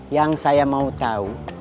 yang saya mau tau